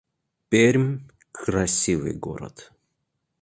Пермь — красивый город